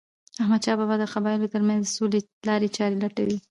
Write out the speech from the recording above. احمدشاه بابا د قبایلو ترمنځ د سولې لارې چارې لټولې.